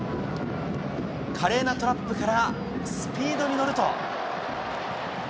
華麗なトラップから、スピードに乗ると。